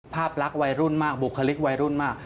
ภาพรักวัยรุ่นมากบุคลิกวัยรุ่นมาก